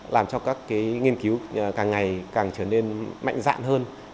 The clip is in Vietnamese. làm cho các nghiên cứu càng ngày càng trở nên mạnh dạn hơn